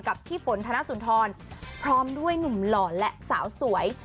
พี่ฝนธนสุนทรพร้อมด้วยหนุ่มหล่อและสาวสวย